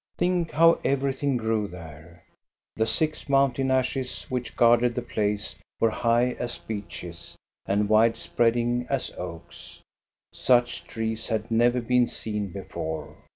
Think how everything grew there. The six mountain ashes which guarded the place were high as beeches and wide spreading as oaks. Such trees had never been seen before.